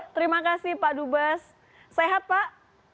terima kasih pak dubes sehat pak